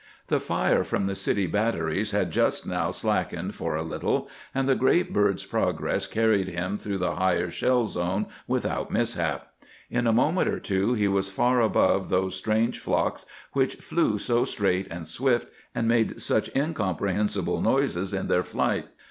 The fire from the city batteries had just now slackened for a little, and the great bird's progress carried him through the higher shell zone without mishap. In a minute or two he was far above those strange flocks which flew so straight and swift, and made such incomprehensible noises in their flight.